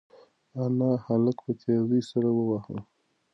انا هلک په تېزۍ سره وواهه.